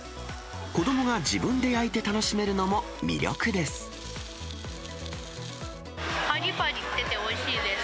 子どもが自分で焼いて楽しめるのも魅力です。